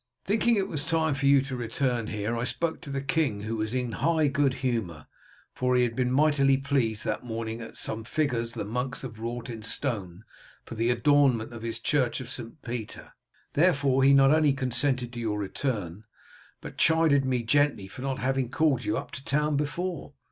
Thinking it was time for you to return here, I spoke to the king, who was in high good humour, for he had been mightily pleased that morning at some of the figures the monks have wrought in stone for the adornment of his Church of St. Peter; therefore he not only consented to your return, but chided me gently for not having called you up to town before.